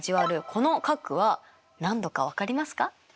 この角は何度か分かりますか？